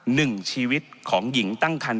หนึ่งชีวิตของหญิงตั้งคัน